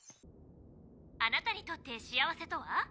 あなたにとって幸せとは？